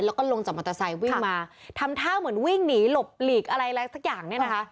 แล้วก็ลงจากมอเตอร์ไซค์วิ่งมาทำท่าเหมือนวิ่งหนีหลบหลีกอะไรอะไรสักอย่างเนี่ยนะคะ